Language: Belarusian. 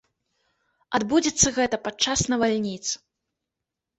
Адбудзецца гэта падчас навальніц.